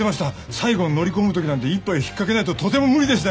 最後に乗り込むときなんて一杯引っかけないととても無理でした。